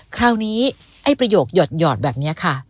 คราวนี้ไอ้ประโยคหยอดแบบนี้ค่ะ